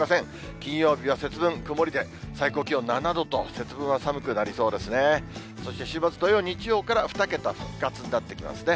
金曜日は節分、曇りで、最高気温７度と、節分は寒くなりそうですね。